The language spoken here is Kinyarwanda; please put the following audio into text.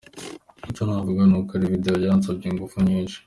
Icyo navuga ni uko ari video yansabye ingufu nyinshi.